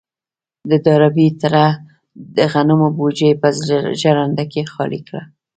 د ډاربي تره د غنمو بوجۍ په ژرنده کې خالي کړه.